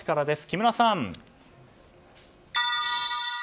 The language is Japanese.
木村さん。